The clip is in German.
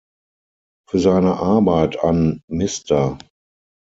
Für seine Arbeit an "Mr.